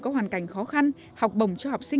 có hoàn cảnh khó khăn học bổng cho học sinh